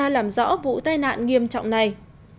điều tra làm rõ vụ tai nạn nghiêm trọng này